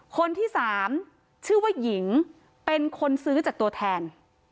คนที่สามชื่อว่าหญิงเป็นคนซื้อจากตัวแทน